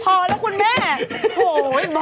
ข้างล่างโรงแรมก็พอแล้วคุณแม่